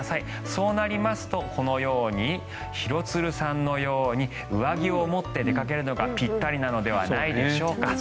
そうなりますと、このように廣津留さんのように上着を持って出かけるのがぴったりなのではないでしょうか。